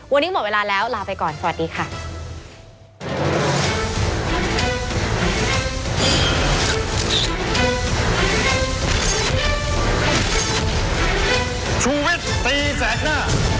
วันนี้หมดเวลาแล้วลาไปก่อนสวัสดีค่ะ